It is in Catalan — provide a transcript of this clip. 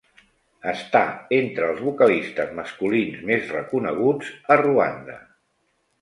Està entre els vocalistes masculins més reconeguts a Ruanda.